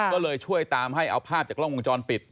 ก็เลยช่วยตามให้เอาภาพจากกล้องวงจรปิด